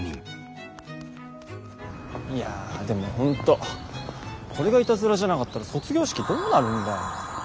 いやでも本当これがイタズラじゃなかったら卒業式どうなるんだよ。